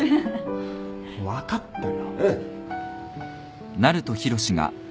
分かったよ。